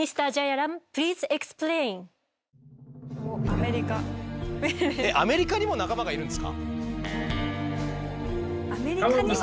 アメリカにも仲間がいるんですか？